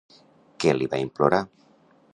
Què li va implorar?